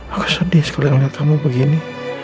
aku sedih sekolah yang lihat kamu begini